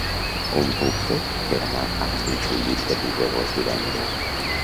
Com ho puc fer per anar a Castellfollit de Riubregós divendres?